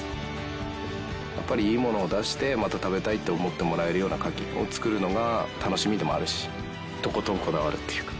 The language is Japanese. やっぱりいいものを出してまた食べたいって思ってもらえるようなカキを作るのが楽しみでもあるし。